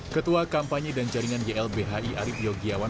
ketua kampanye dan jaringan ylbhi arief yogiawan